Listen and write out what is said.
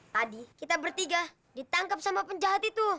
tadi kita bertiga ditangkap sama penjahat itu